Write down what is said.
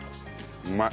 うまい。